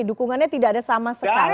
dukungannya tidak ada sama sekali